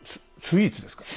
スイーツです。